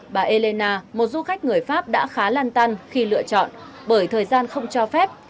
bà elina một du khách người pháp đã khá lan tăn khi lựa chọn bởi thời gian không cho phép